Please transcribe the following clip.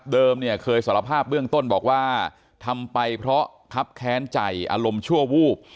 เนี่ยเคยสารภาพเบื้องต้นบอกว่าทำไปเพราะครับแค้นใจอารมณ์ชั่ววูบ